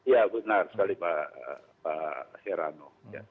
ya benar sekali pak herano